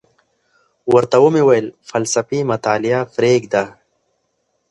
ورته ومي ویل فلسفي مطالعه پریږده،